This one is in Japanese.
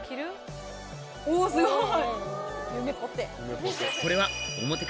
おっすごい！